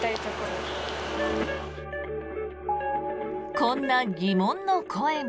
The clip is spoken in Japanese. こんな疑問の声も。